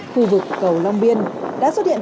khu vực cầu long biên đã xuất hiện